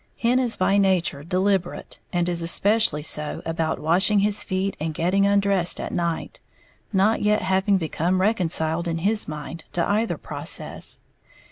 Hen is by nature deliberate, and is especially so about washing his feet and getting undressed at night, not yet having become reconciled in his mind to either process.